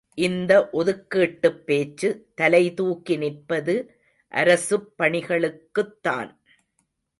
இந்த ஒதுக்கீட்டுப் பேச்சு தலை தூக்கி நிற்பது அரசுப் பணிகளுக்குத் தான்!